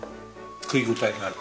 食い応えがある。